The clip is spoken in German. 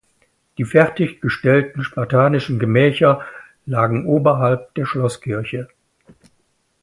Die fertig gestellten spartanischen Gemächer lagen oberhalb der Schlosskirche.